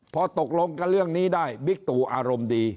พอตกลงกับเรื่องนี้ได้บิ๊กตู่อารมณ์ดี